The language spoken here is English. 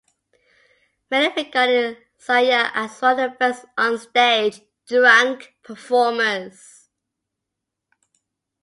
Many regarded Caryll as one of the best onstage "drunk" performers.